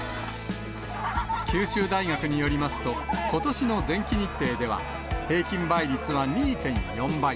九州大学によりますと、ことしの前期日程では、平均倍率は２．４倍。